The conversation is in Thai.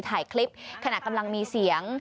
ถ่ายคลิปขณะกำลังมีเสียง